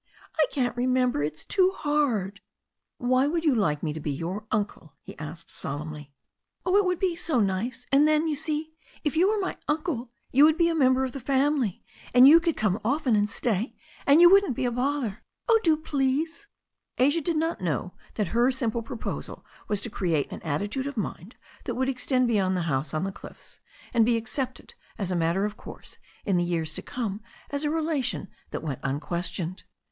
"I can't remember. It's too hard." "Why would you like me to be your uncle?" he asked solemnly. "Oh, it would be so nice. And then, you see, if you were my uncle, you would be a member of the family, and you THE STORY OF A NEW ZEALAND RIVER 147 could come often and stay, and you wouldn't be a bother. Oh, do, please." Asia did not know that her simple proposal was to create an attitude of mind that would extend beyond the house on the cliffs, and be accepted as a matter of course in the years to come as a relation that went unquestioned.